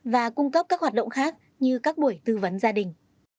và cung cấp các hoạt động khác như các buổi tư vấn gia đình